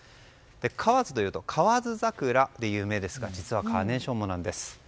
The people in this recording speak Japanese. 河津というと河津桜で有名ですが実はカーネーションもなんです。